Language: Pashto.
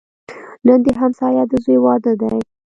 نن د همسایه د زوی واده دی